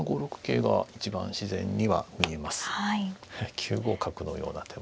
９五角のような手も。